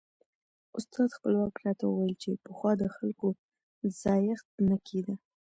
استاد خپلواک راته ویل چې پخوا د خلکو ځایښت نه کېده.